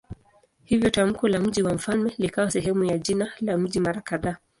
Hivyo tamko la "mji wa mfalme" likawa sehemu ya jina la mji mara kadhaa.